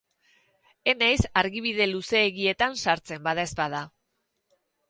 Ez naiz argibide luzeegietan sartzen, badaezpada.